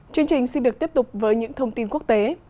chương trình xin được tiếp tục với những thông tin quốc tế